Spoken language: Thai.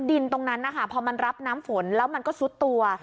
ดินตรงนั้นนะคะพอมันรับน้ำฝนแล้วมันก็ซุดตัว